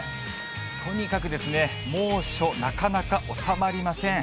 とにかくですね、猛暑、なかなか収まりません。